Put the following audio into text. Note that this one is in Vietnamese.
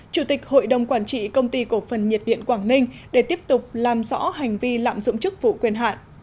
chủ tịch hội đồng quản trị công ty cổ phần nhiệt điện quảng ninh để tiếp tục làm rõ hành vi lạm dụng chức vụ quyền hạn